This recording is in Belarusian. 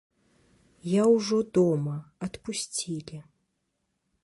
Я ўжо дома, адпусцілі!